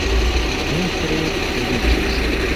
Mi tre feliĉos.